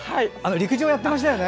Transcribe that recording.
陸上やっていましたよね。